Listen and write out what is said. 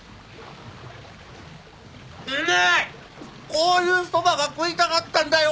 こういうそばが食いたかったんだよ！